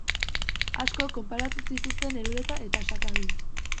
Askok konparatu zituzten Elgeta eta Sakabi.